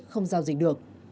không giao dịch được